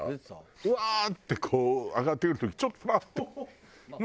うわー！ってこう上がってくる時ちょっと。